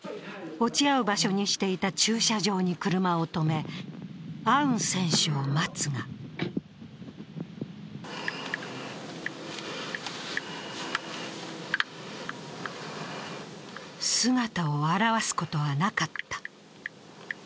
落ち合う場所にしていた駐車場に車を止めアウン選手を待つが姿を現すことはなかった。